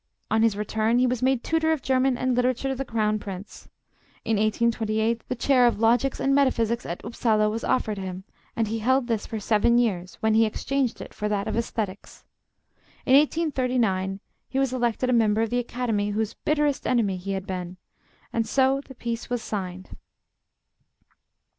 On his return he was made tutor of German and literature to the Crown Prince. In 1828 the Chair of Logics and Metaphysics at Upsala was offered him, and he held this for seven years, when he exchanged it for that of Aesthetics. In 1839 he was elected a member of the Academy whose bitterest enemy he had been, and so the peace was signed.